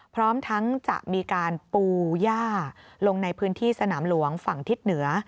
พร้อมทั้งจะมีการปูย่าลงในพื้นที่สนามหลวงฝั่งทิศเหนือ